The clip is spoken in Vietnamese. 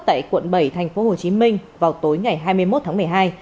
tại quận bảy tp hcm vào tối ngày hai mươi một tháng một mươi hai